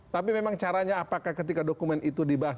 tapi memang caranya apakah ketika dokumen itu dibahas